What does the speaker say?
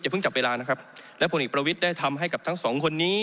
อย่าพึ่งจับเวลานะครับและผลอิกประวิษฎินได้ทำให้กับสองคนนี้